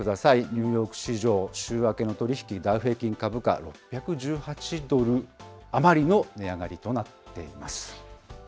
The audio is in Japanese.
ニューヨーク市場、週明けの取り引き、ダウ平均株価、６１８ドル余りの値上がりとなっています。